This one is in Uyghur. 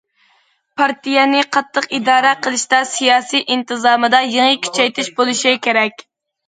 پارتىيەنى قاتتىق ئىدارە قىلىشتا، سىياسىي ئىنتىزامىدا يېڭى كۈچەيتىش بولۇشى كېرەك.